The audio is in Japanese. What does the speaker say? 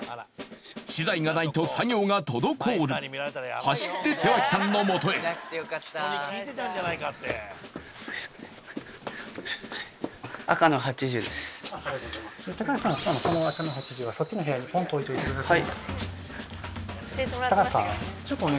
資材がないと作業が滞る走って瀬脇さんの元へ橋さん赤の８０はそっちの部屋に置いてください。